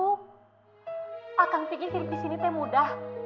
a'a kang pikir hidup di sini teh mudah